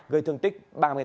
gây thương tích ba mươi tám